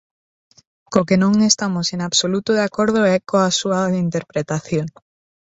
Co que non estamos en absoluto de acordo é coa súa interpretación.